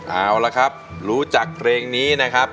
เอาละครับรู้จักเพลงนี้นะครับ